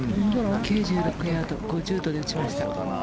９６ヤード５０度で打ちました。